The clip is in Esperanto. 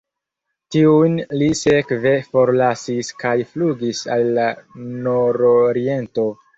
Tiun li sekve forlasis kaj flugis al la nororiento.